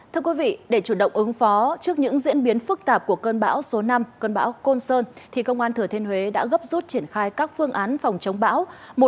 thưa quý vị để chủ động ứng phó trước những diễn biến phức tạp của cơn bão số năm cơn bão côn sơn thì công an thừa thiên huế đã gấp rút triển khai các phương án phòng chống bão